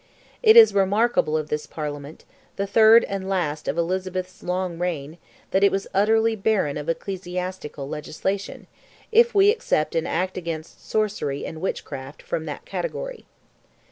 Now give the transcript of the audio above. It is remarkable of this Parliament, the third and last of Elizabeth's long reign, that it was utterly barren of ecclesiastical legislation, if we except "an act against sorcery and witchcraft" from that category.